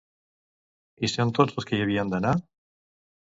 Hi són tots els que hi havien d'anar?